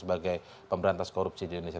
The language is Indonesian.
sebagai pemberantas korupsi di indonesia